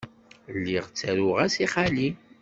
Lliɣ ttaruɣ-as i xali.